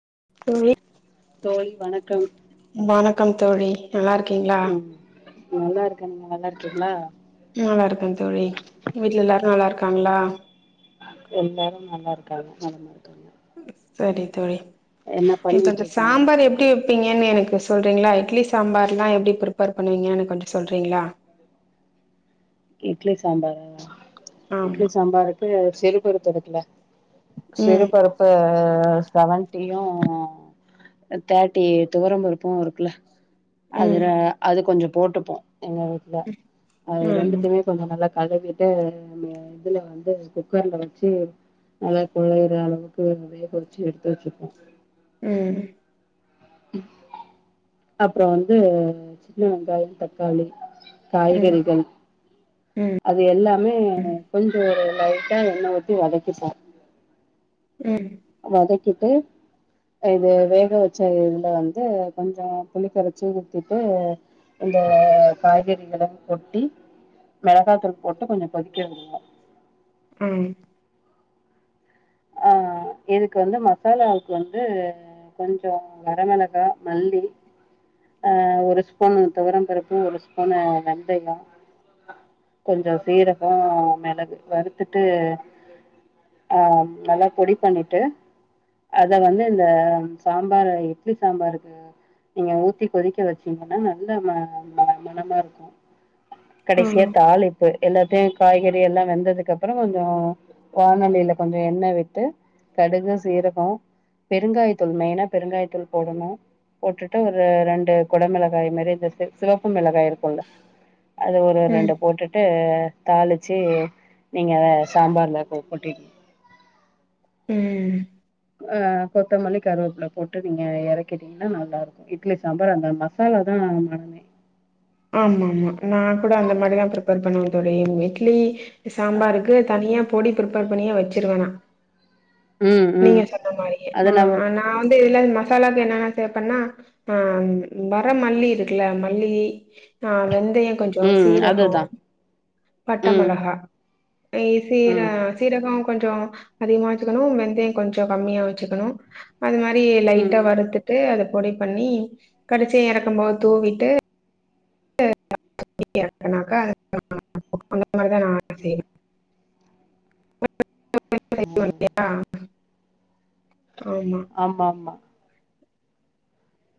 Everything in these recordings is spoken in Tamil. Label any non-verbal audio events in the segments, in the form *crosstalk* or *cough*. *unintelligible* தோழி வணக்கம் வணக்கம் தோழி நல்லா இருக்கீங்களா ம் நல்லா இருக்கே நீங்க நல்லா இருக்கீங்களா நல்லா இருக்கே தோழி வீட்ல எல்லாரோ நல்லா இருக்காங்களா எல்லாரோ நல்லா இருக்காங்க நலமா இருக்காங்க சரி தோழி என்ன இப்ப பண்ணிட்டு இந்த இருக்கீங்க சாம்பார் எப்டி வெப்பீங்கன்னு எனக்கு சொல்றீங்ளா இட்லி சாம்பார்லா எப்டி ப்ரிப்பேர் பண்ணுவீங்கனு கொஞ்சொ சொல்றீங்ளா இட்லி சாம்பாரா இட்லி ஆமா சாம்பாருக்கு செரு *unintelligible* ம் சிறுபருப்பு செவன்ட்டியு தேட்டி துவரம்பருப்பு இருக்குல்ல ம் அதுல அது கொஞ்சொ போட்டுப்போ எங்க வீட்ல அது ரெண்டு ஆமா து நல்லா கழுவிட்டு இதுல வந்து குக்கர்ல வச்சு நல்லா குழையிற அளவுக்கு வேக வெச்சி எடுத்து வச்சிருக்கோ ம் ம் அப்றொ வந்து சின்ன வெங்காயொ தக்காளி ம் காய்கறிகள் அது எல்லாமே கொஞ்சொ ஒரு லைட்டா என்ன ஊத்தி வதக்கிப்போ ம் வதக்கிட்டு இது வேக வெச்ச இதுல வந்து கொஞ்சொ புளிக்கரச்சி ஊத்திட்டு இந்த காய்கறிகள கொட்டி மெளகாத் தூள் போட்டு கொஞ்சொ கொதிக்க உட்ணு உம் ஆ இதுக்கு வந்து மசாலாவுக்கு வந்து கொஞ்சொ வர மெளகா மல்லி ஆ ஒரு ஸ்பூன் துவரம் பருப்பு ஒரு ஸ்பூனு வெந்தயொ கொஞ்சொ சீரகொ மெளகு வறுத்துட்டு ஆ நல்லா பொடி பண்ணிட்டு அத வந்து இந்த சாம்பார் இட்லி சாம்பாருக்கு நீங்க ஊத் த்தி கொதிக்க வெச்சீங்கன்னா நல்ல ம ம மனமா இருக்கு ஓ கடசீயா தாளிப்பு எல்லாத்தையு காய்கறி எல்லா வெந்ததுக்கப்பறோ கொஞ்சொ வானொலியில கொஞ்சொ எண்ணெ விட்டு கடுகு சீரகொ பெருங்காயத் தூள் மெய்னா பெருங்காயத் தூள் போடணு போட்டுட்டு ஒரு ரு ரெண்டு கொட மெளகாய் மேரி இந்த சிவ் சிவப்பு மிளகாய் இரு குல்ல அத ஒரு ம் ரெண்டு போட்டுட்டு தாளிச்சி நீங்க அத சாம்பார்ல கொ கொட்டிட் உம் ஆ கொத்தமல்லி கருவேப்புல போட்டு நீங்க எறக்கிட்டீங்னா நல்லா இருக்கு இட்லி சாம்பார் அந்த மசாலா தா மனமே ஆமா ஆமா நா கூட அந்த மாரிதா ப்ரிப்பேர் பண்ணுவ தோழி இவுங் இட்லி சாம்பாருக்கு தனியா பொடி ப்ரிப்பேர் பண்ணியே வச்சிருவ நா ம் நீங்க ம் சொன்ன மாரியே அது ம் நம்ம அ நா வந்து இதுல மசாலா என்னன சேவ் பண்ணா ஆ ம் வர மல்லி இருக்குல ம ல்லி ஆ வெந் தயொ கொஞ்சொ ம் சீரகொ அதுதா பட்ட ம் மெளஹா இ சீரா ம் சீரகொ கொஞ்சோ அதிகமா எத்துக்கணு வெந்தயங் கொஞ்சோ கம்மியா வெச்சுக்கணு அது மாரி லைட்ட ம் வறுத்துட்டு அத பொடி பண்ணி கடச்சியா எறக்கும் போது தூவிட்டு *inaudible* இந்மாரிதா நா செய்வே *inaudible* *inaudible* ஆமாம்மா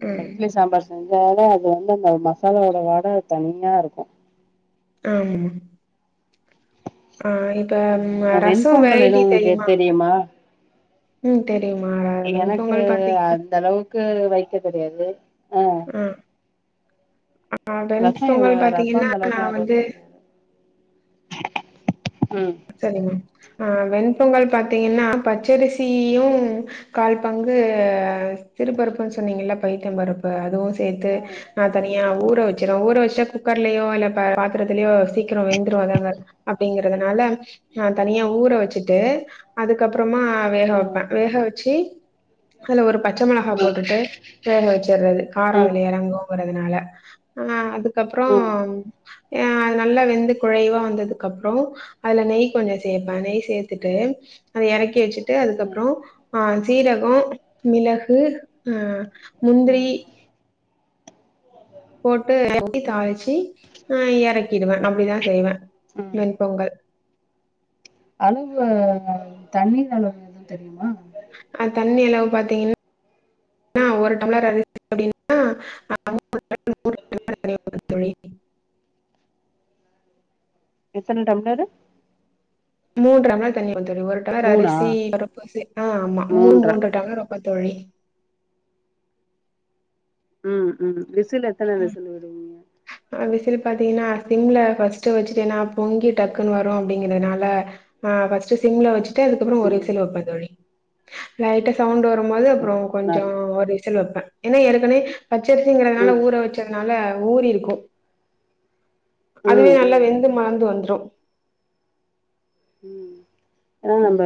நம்ப ம் இட்லி சாம்பார் செஞ் சாலு அது வந்து அந்த மசாலாவோட வாட தனியா இருக்கு ஆம்மா ம் ரசோ வெண்பொங்கல் எதுவு உங்ளுக்கு தெரியுமா உம் தெ எனக்கு அந்த அளவு கு வெக்க தெரியாது ஆ ம் அ ஆ ரசோ இவ வெண்பொங்கல் ரசோ பாத்தீங்கன்னா அந்த நா அளவுக்கு எனக்கு வந்து வைக்க தெரியாது ம் செரிங்க அ வெண்பொங்கல் பாத்தீங்கன்னா பச்சரிசியியு கால்பங்கு சிறுபருப்புன் சொன்னீங்கில்ல பைத்தம் பருப்பு அதுவு சேத்து ம் ந ம் தனியா ஊற வெச் இத ஊற வெச்சா குக்கர்லியோ இல்ல பா பாத்திரத்திலியோ சீக்கிரோ வெந்துரு அதாங்க அப்டிங்க அதனால நா தனியா ஊற வெச்சுட்டு அதுக்கப் பறமா வேக ம் வெப்பே வேக வெச்சி அதல ஒரு பச்ச மெளகா ம் போட்டுட்டு வேகவெச் சர்றது காரோ ம் அதுல எறங்கு போறதுனால அ அது க்கப்பறோ ம் யா அது நல்லா வெந்து குழைவா வந்ததுக் அப்றோ அதுல நெய் கொஞ்ச சேப்பேன நெய் சேத்துட்டு அத எறக் கி வெச்சிட்டு அதுக்கப்பறோ அ சீரக ம் மிளகு ஆ ம் முந்திரி போட் ட்டு எறக்கி ம் ம் தாளிச்சி ஆ எறக்கிடுவே அப்டிதா செய்வே ம் வெண்பொங்கல் அளவு தண்ணீ அளவு எதும் தெரியுமா அந்த தண்ணீ அளவு பாத்தீங்ன்னா ஒரு டம்ளர் அரிசி அப்டினா *unintelligible* தெரி எத்தன டம்ளரு மூல்கற மாரி தண்ணீ ஒரு டம்ளர் மூணா அரிசி பர *unintelligible* அ ஆமா மூணு மூன்ற டம்ளர் வா தோழி ம் ம் விசில் எத்தன ம் விசில் விடுவீங்க அ விசில் பாத்தீங்கன்னா சிம்ல ஃபஸ்ட் வச்சிட்டு ஏனா பொங்கி டக்குன்னு வரும் அப்படிங்கறனால ஆ ஃபஸ்ட் சிம்ல வச் டு அதுக்கப்புறோ ஒரு ம் விசில் வெப்ப தோழி லைட்டா சவுண்ட் வர் வபோது அப்புறம் ம் கொஞ்சம் நல்லது ஒரு ீசல் வைப்பேன் என்ன எனக்குனே பச்சரிசிங்கறதுனால ம் ஊற வச்சதுனால க ஊர் இருக்கு அதுவே ம் நல்லா ம் வெந்து மறந்து வந்துரு ம் அத நம்ப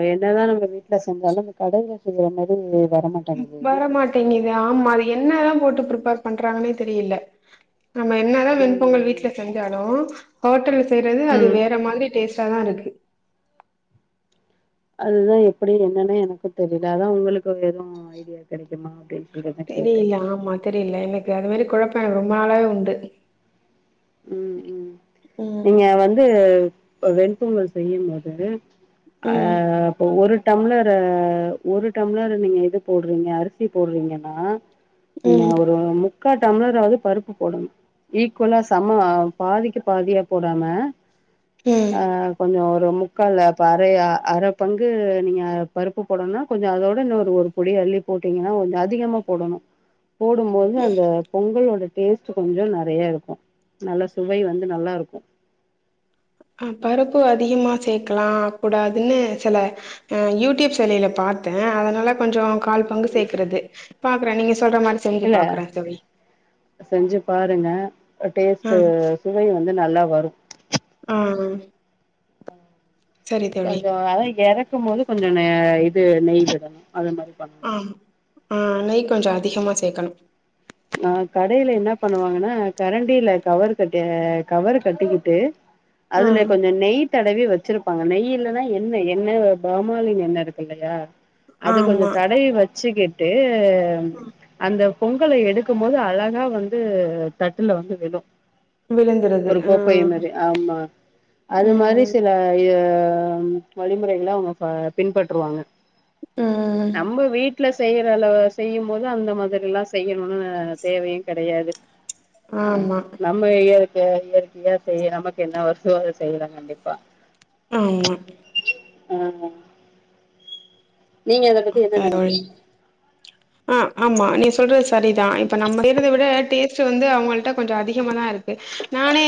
வே என்ன தா நம்ம வீட்ல செஞ்சாலு அந்த கடையில செய்யற மாரி வரமாட்டேங்குது வரமாட்டேங்கிது ஆமா என்னல்லா போட்டு பிரிப்பேர் பண்றாங்கன்னே தெரியில நம்ம என்ன தா ம் வெண்பொங்கல் வீட்டில செஞ்சாலு ஹோட்டல் செய்யறது ம் அது ம் வேற மாதிரி டேஸ்ட்டா தா இருக் அதுதா எப்படி என்னானு எனக்கு தெரியில அதா உங்களுக்கு ஏதும் ஐடியா கெடைக்குமா அப்படின் தெரியல ஆமா தெரியல எனக்கு அது மாரி குழப்போ ரொம்பா நாளாவே உண்டு உம் உம் ம் நீங்க வந்து இப்ப வெண் பொங்கல் செய்யும் போது ம் அஹ் இப்ப ஒரு டம்ளர் ஒரு டம்ளர் நீங்க எது போடுறீங்க அரிசி போடுறீங்கன்னா நா ம் ஒரு முக்காட் டம்லர்றாவது பருப்பு போடனும் ஈக்குலாஸ் சம்ம அ பாதிக்கு பாதியா போடாமா ம் அஹா கொஞ்சோ ஒரு முக் முக்கல்ல அப்ப அரை ஹ அர பங்கு நீங்க பருப்பு போடணு கொஞ்சோ அதோட இன்னு ஒரு புடி அள்ளி போட்டீங்குன்னா அது அதிகமா போடணு போடும்போது அந்த பொங்கல் வந்துட் டேஸ்ட்டு கொஞ்சோ நெறியா இருக்கோ நல்ல சுவை வந்து நல்லா இருக்கோ அஹ பருப்பு அதிகமா சேக்கல்லா கூடாதுன்னு சில அஹா யூடியூப் சேனல்ல பாத்தே அதுனால கொஞ்சோ கால் பங்கு சேக்குறது ரன்னீங்கிஸ் இல்ல செஞ்சு பாருங்க ஆ டேஸ்ட்டு சுவை வந்து நல்லா வரும் ஆ சரி தோழி கொஞ்சோ அத இறக்கும் போது கொஞ்சோ நெ ட்டு நெய் விடணு அது மாரி பண்ணு ஆஹா நெய் கொஞ்ச அதிகமா சேக்கணும் ஆஹா கடையில்ல என்ன பண்ணுவாங்குன்னா கரண்டியில கவர் கட்டி அஹா கவர் கட்டிக்கிட்டு ஆ அதுல கொஞ்ச நெய் தடவி வெச் வெச்சுருப்பாங்க நெய் இல்லன்னா எண்ணெய் என்ன பாமாயில் எண்ண இருக்கு இல்லையா அது கொஞ்சோ ஆமா தடவி வெச்சுகிட் ட்டே டே ம் அந்த பொங்கல எடுத் க்கும் போது அழகா வந்து தட்டுல வந்து விழு விழுந்துருது ஒரு ஆ கோப்பை மாரி ஆம்மா அது மாரி ம் சில அ ஆஹம் வழிமுறைகளா அவுங்க ஃபா பின்பற்றுருவாங்க ம் நம்ப வீட்லஸ் செய்யிற அளவ் செய்யும் போது அந்த மாதிரில்லா செய்யிணுன்னு அஹா தேவையு கெடையாது ஆஹ ஆமா நம்ம இயர் கேயாஇயற்கையா செய்ய நமக் என்ன வருஷோ செய்யில்லா கண்டிப்பா ஆமா அஹா நீங்க அத பத்தி என்ன நெனைக்கிறீங்க ஆஹ ஆமா நீ சொல்றது சரிதா இப்ப நம்ம *unintelligible* விட டேஸ்ட் வந்து அவங்கள்ட கொஞ்சோ அதிகமாதா இருக்கு நானே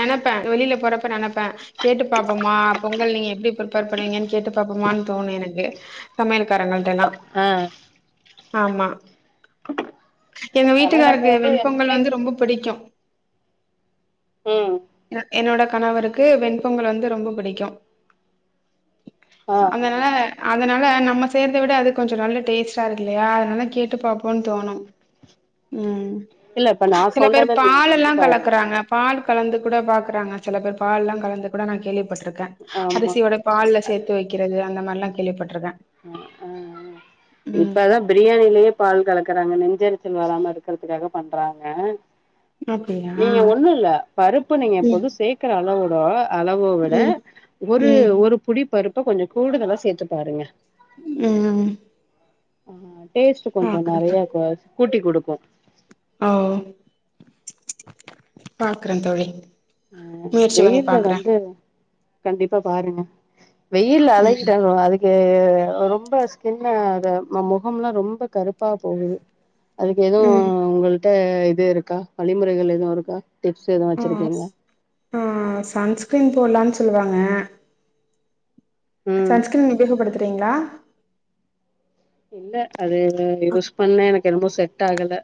நெனைப்பே வெளியில போறப்ப நெனைப்பே கேட்டு பாப்போமா பொங்கல் நீங்க எப்டி திக் ஃபிரிப்பேர் பண்ணுவீங்கனு கேட்டு பாக் பாபமானு தோணிருக்கு சமையல்காரங்கள் ஆஹ் ஆமா எங்க ஆனா நம்ம வீட்டுக்காருக்கு வந்து வெண்பொங்கல் எதுவுமே வந்து ரொம்ப புடிக்கு ம் யென் என்னோட கணவருக்கு வெண்பொங்கல் வந்து ரொம்ப பிடிக்கு ஆ ஆ அதனால அதன நம்ம சேய்ரத விட அது கொஞ்சோ நல்ல டேஸ்டா இருகுல்லயா அதனால கேட்டுபாபோ தோணு ம் உம் இல்ல இப்ப நா சில பேர் சொன்னத நீங்க பால் எல்லா செஞ்சு பாருங்க கலக்குறாங்க பால் கலந்து கூட பாக்குறாங்க சில பேர் பால் எல்லா கலந்து கூட நா கேள்விப் பிருக்க ஆமா அரிசியோட பால்ல சேத்து வைக்கிறது அந்த மாரிலா கேள்விபட்ருக்கே இப்பதா பிரியாணிலயே பால் கலக்கறாங்க நெஞ்யெரிச்சல் செல்வராம இருக்கறதுக்காக பண்றாங்க அப்டியா நீங்க ஒண்ணு இல்ல பருப்பு நீங்க ம் எப்போது சேக்குற அளவுவோட் ஆ அளவ விட ம் ஒரு ஒரு புடிப் ப்பருப்ப கொஞ்சோ கூடுதலா சேத்து பாருங்க உம் ஆ டேஸ்ட் கொஞ்சோ நெறையா கூட்டி குடுக்கு ஓ பாக்கறே தோழி அஹ் முயற்சி பண்ணி வெயில்ல பாக்குறே வந்து கண்டிப்பா பாருங்க வெயில் ம் அழகிட்டாக்கணு அதுக்கு ரொம்ப ஸ்கின் அத முகம்ல ரொம்ப கருப்பா போகுது அதுக்கு எதுவும் ம் உங்கள் க இது இருக்கா வழிமுறைகள் எதும் இருக்கா டிப்ஸ் எதும் வெச்சிருக்கிங்களா ஆஹ் சன்ஸ்கிரீன் போடலானு சொல்லுவாங்க ம் சன்ஸ்கிரின் உபயோகப்படுத்துறீங்களா இல்ல அது யூஸ் பண்ண எனக்கு என்னமோ செட் ட்டகல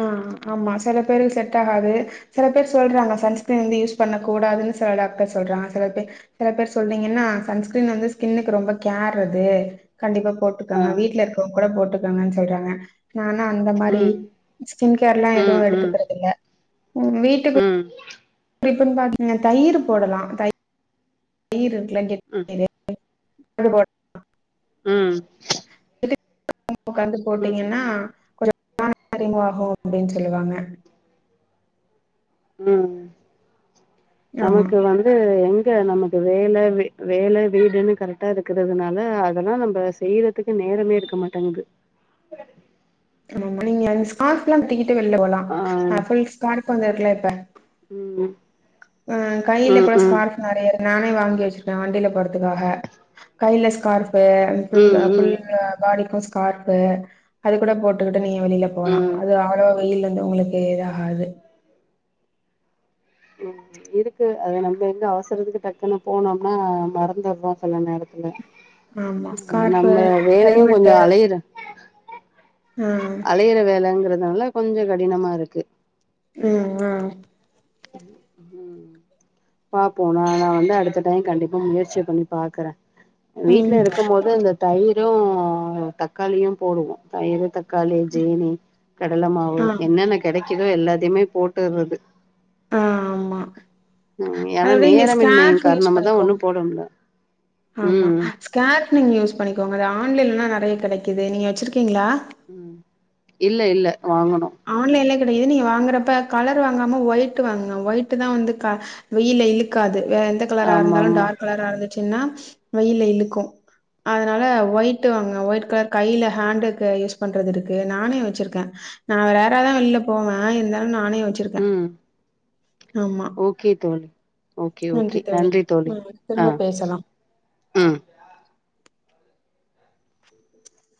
ஆஹ் ஆமா சில பேருக்கு செட் ஆகாது சில பேர் சொல்றாங்க சன்ஸ்கிரீன் வந்து யூஸ் பண்ண கூடாதுன்னு சில டாக்டர் சொல்றாங்க சில பே சில பேர் சொல்றீங்கன்னா சன்ஸ்கிரீன் வந்து ஸ்கின்னுக்கு ரொம்ப கேர் அது கண்டிப்பா ஆ போட்டுக்காங்க வீட்டுல இருக்கவங் கூட போட்டுக்கங்கன்னு சொல்றாங்க நான் ஆ அந்த மாதிரி ம் ஸ்கின் கேர் எலாம் ம் எதுவும் ம் எடுத்துக்கறிறது இல்ல உ வீட்டுக்கு ம் இப்பன்னு பாத்தீங்க தயிர் போடலாம் தயிர் தயிரு ம் *unintelligible* அ போ ம் *unintelligible* உகாந்து போட்டீங்கன்னா ம் கொஞ்சம் *unintelligible* ஆகும் அப்படின்னு சொல்லுவாங்க ம் ஆமா நமக்கு வந்து எங் நமக்கு வேலை வேலை வீடுன்னு கரெக்டா இருக்கிறதுனால அதெல்லாம் நம்ம செய்யறதுக்கு நேரமே இருக்க மாட்டேங்குது ஆ நீங்க *unintelligible* வெள போலாம் ஆ *unintelligible* ப்ளே பேக் உம் ஆஹ் கையில கூட ஸ்காரஃப் நறைய இருக்கு நானே வாங்கி வச்சிருக்கேன் வண்டில போறதுக்காக கையில ஸ்கார்ஃப் ப்ப புல் புல் ம் ஃபுல் ம் பாடிக்கும் ஸ்கார்ஃப் அது கூட போட்டுரு நீ வெளிய போலாம் ம் அது அவ்ளவ கையில இருந்து உங்களுக்கு ஏதகாது ம் இருக்கு அத நம்ம எங்க அவசரத்துக்கு டக்குன்னு போனோம்னா மறந்துடுறோம் சில நேரம் ஆமா ஸ்கார்ஃபு, நம்ம வேலையும் ஹெல்மெட்டு கொஞ்சம் அலையற ஆ அளையிற வேலங்கிறது னால கொஞ்சம் கடினமா இருக்கு உம் ஆஹ் உம் பாப்போம் நான் நான் வந்து அடுத்த டைம் கண்டிப்பா முயற்சி பண்ணி பாக்குறேன் வீட்ல ம் இருக்கும் போது அந்த தயி யும் தக்காளியும் போடுவோம் தயிர் தக்காளி ஜீனி கடல மாவு ஆ என்னென்ன கெடை கிதோ எல்லாத்தையுமே போட்டுற்றது ஆ ஆமா. உம் அத ஏன்னா விட நீங்க நேரமின்மையின் ஸ்கார்ஃப் யூஸ் காரணமா தான் பண்ணிக்கோங்க. ஒண்ணும் போடமுட்ல ஆமா ஸ்கேர்ஃப் நீங்க யூஸ் பண்ணிக்கோங்க அது ஆன்லைன்லலா நெறைய கெடைக்குது நீங்க வச்சிருக்கீங்களா உம் இல்ல இல்ல வாங்கணும் ஆன்லைன்ல கெடையாது நீங்க வாங்குறப்ப கலர் வாங்காம ஒயிட் வாங்குங்க ஒயிட் தான் வந்து வெயில இழுக்காது வேற எந்த கலரா ஆமா இருந்தாலும் ஆமா டார்க் கலரா இருந்து துசுன்னா வெயில இழுக்கும் அதனால ஒயிட்டு வாங்க ஒயிட் கலர் கையில ஹேண்டுக்கு யூஸ் பண்றது இருக்கு நானே வச்சுருக்கேன் நான் ரேராதான் வெள்ல போவேன் இருந்தாலும் நானே னே வச்சுருக்கேன் ம் ஓகே தோழி ஓகே ஓகே நன்றி தோழி ம் திரும்ப ஆஹ் பேசலா ஆஹ்